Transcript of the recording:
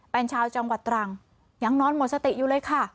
เป็นชาวจังหวัดตรังยังนอนหมดสติอยู่เลยค่ะ